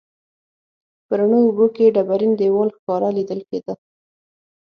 په روڼو اوبو کې ډبرین دیوال ښکاره لیدل کیده.